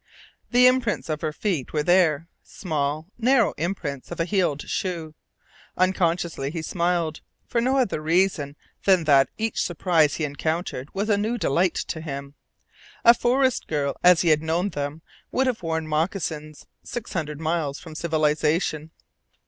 The imprints of her feet were there small, narrow imprints of a heeled shoe. Unconsciously he smiled, for no other reason than that each surprise he encountered was a new delight to him. A forest girl as he had known them would have worn moccasins six hundred miles from civilization.